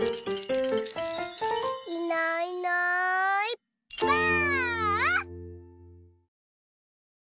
いないいないばあっ！